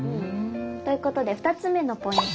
ということで２つめのポイント